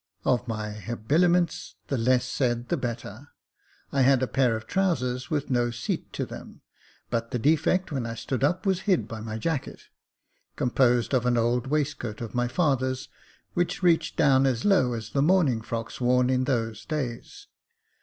Of my habiliments the less said the better ; I had a pair of trousers with no seat to them ; but this defect when I stood up was hid by my jacket, composed of an old waistcoat of my father's, which reached down as low as the morning frocks worn in those days.